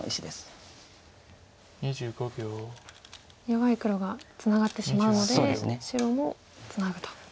弱い黒がツナがってしまうので白もツナぐと。